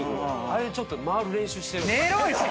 あれでちょっと回る練習してる。